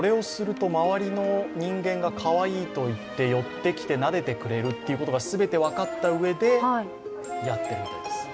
周りの人間がかわいいと言って寄ってきてなでてくれるということを全て分かったうえでやっているそうです。